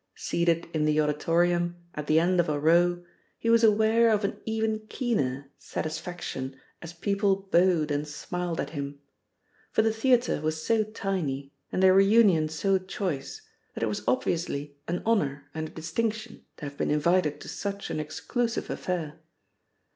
Seated in the auditorium, at the end of a row, he was aware of an even keener satisfaction as people bowed and smiled at him; for the theatre was so tiny and the reunion so choice that it was obviously an honour and a distinction to have been invited to such an exclusive affair.